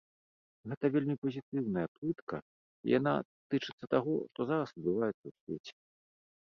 Гэта вельмі пазітыўная плытка, і яна тычыцца таго, што зараз адбываецца ў свеце.